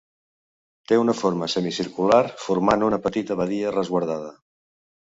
Té una forma semicircular formant una petita badia resguardada.